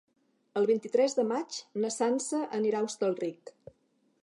El vint-i-tres de maig na Sança anirà a Hostalric.